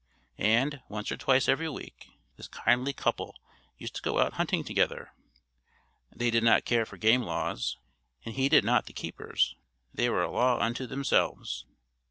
And, once or twice every week, this kindly couple used to go out hunting together. They did not care for game laws, and heeded not the keepers they were a law unto themselves.